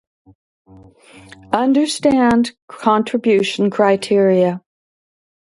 Goldfuss was born at Thurnau near Bayreuth.